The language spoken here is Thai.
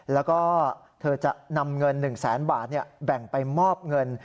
แล้วก็เธอจะนำเงิน๑แสนบาทแบ่งไปมอบเงิน